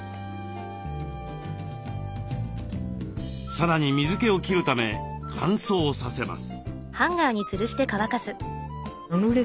さらに水けを切るため乾燥させます。